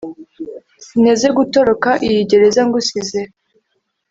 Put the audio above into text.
sinteze gutoroka iyi gereza ngusize